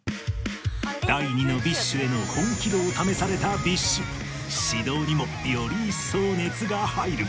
第２の ＢｉＳＨ への本気度を試された ＢｉＳＨ 指導にもより一層熱が入る